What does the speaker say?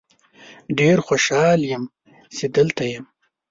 ډیر خوشحال یم چې دلته یم.